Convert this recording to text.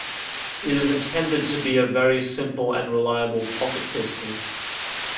It is intended to be a very simple and reliable pocket pistol.